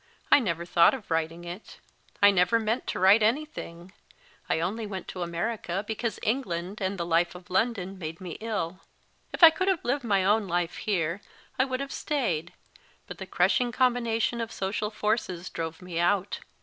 I never thought of writing it ; I never meant to write anything ; I only went to America because England and the life of London made me ill. If I could have lived my own life here I would have stayed, but the crushing combination of social forces drove me out.